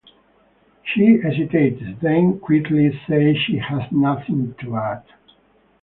She hesitates, then quietly says she has nothing to add.